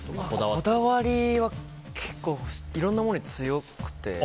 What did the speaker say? こだわりは結構いろんなものに強くて。